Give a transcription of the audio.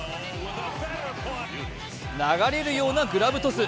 流れるようなグラブトス。